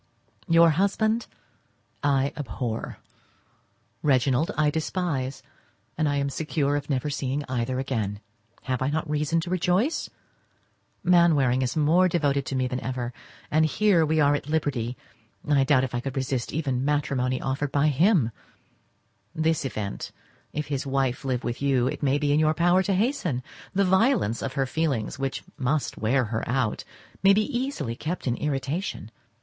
Your husband I abhor, Reginald I despise, and I am secure of never seeing either again. Have I not reason to rejoice? Mainwaring is more devoted to me than ever; and were we at liberty, I doubt if I could resist even matrimony offered by him. This event, if his wife live with you, it may be in your power to hasten. The violence of her feelings, which must wear her out, may be easily kept in irritation.